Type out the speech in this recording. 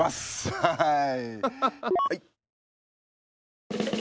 はい。